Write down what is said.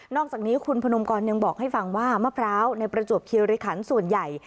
อกจากนี้คุณพนมกรยังบอกให้ฟังว่ามะพร้าวในประจวบคิริขันส่วนใหญ่